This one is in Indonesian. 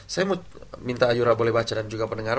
saya mau minta ayura boleh baca dan juga pendengar